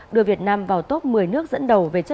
đưa việt nam vào top một mươi nước dẫn đầu